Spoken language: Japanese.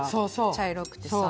茶色くてさ。